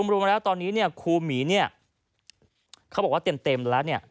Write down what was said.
รวมแล้วตอนนี้เนี่ยครูหมีเนี่ยเขาบอกว่าเต็มแล้วเนี่ย